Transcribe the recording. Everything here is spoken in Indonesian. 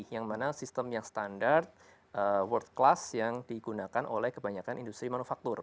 yang mana sistem yang standar world class yang digunakan oleh kebanyakan industri manufaktur